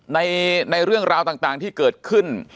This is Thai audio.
ในเรื่องราวต่างที่เกิดขึ้น